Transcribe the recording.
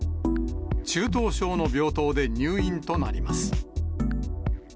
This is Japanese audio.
中等症の病棟で入院となります。